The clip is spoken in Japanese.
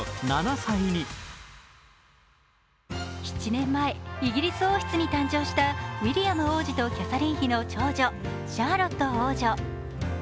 ７年前、イギリス王室に誕生したウィリアム王子とキャサリン妃の長女・シャーロット王女。